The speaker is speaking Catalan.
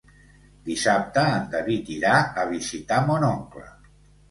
Dissabte en David irà a visitar mon oncle.